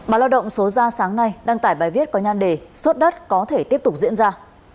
báo lao động số ra sáng nay đăng tải bài viết có nhan đề xuất đất có thể tiếp tục diễn ra